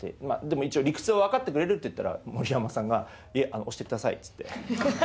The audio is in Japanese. まあでも一応「理屈はわかってくれる？」って言ったら森山さんが「いえ押してください」っつって。